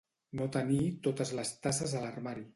No tenir totes les tasses a l'armari.